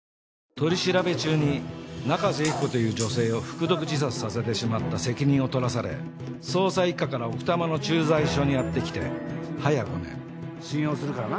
取り調べ中に中瀬由紀子という女性を服毒自殺させてしまった責任を取らされ捜査一課から奥多摩の駐在所にやってきて早５年信用するからな。